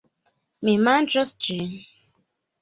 Mi manĝos ĝin.